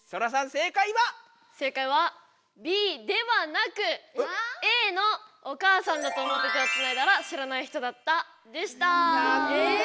正解はＢではなくＡのお母さんだと思って手をつないだら知らない人だったでした。